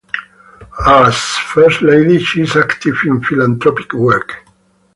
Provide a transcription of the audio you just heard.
As First Lady she is active in philanthropic work.